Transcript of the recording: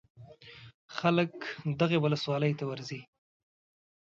خلک دغې ولسوالۍ ته ورځي.